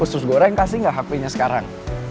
terus goreng kasih nggak hp nya sekarang